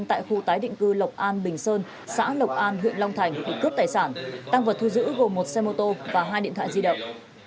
tại khu tái định cư lộc an bình sơn xã lộc an huyện long thành để cướp tài sản tăng vật thu giữ gồm một xe mô tô và hai điện thoại di động